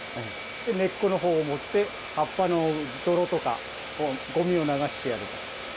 根っこのほうを持って葉っぱの泥とかごみを流してやる。